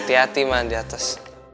hati hati main di atas